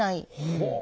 ほう。